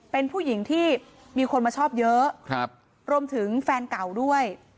เป็นผู้หญิงที่มีคนมาชอบเยอะรวมถึงแฟนเก่าด้วย